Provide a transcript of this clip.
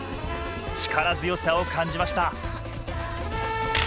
力強さを感じました